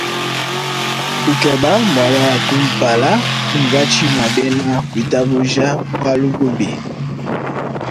Kukeba muaba wa kumpala munkatshi mua bena kuitabuja, mbualu bubi.